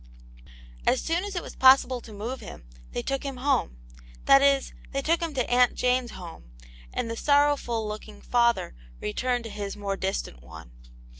As soon as it was possible to move him, they took him home; that is, they took him to Aunt Jane's home, and the sorrowful looking father re turned to his more distant one.